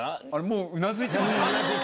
もううなずいてますよ。